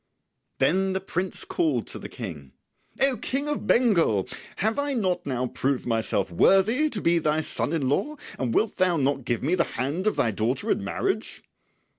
Then the prince called to the King, "O King of Bengal, have I not now proved myself worthy to be thy son in law, and wilt thou not give me the hand of thy daughter in marriage?"